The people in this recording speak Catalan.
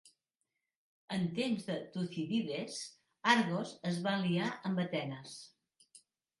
En temps de Tucídides, Argos es va aliar amb Atenes.